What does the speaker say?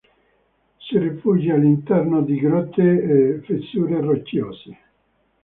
Si rifugia all'interno di grotte e fessure rocciose.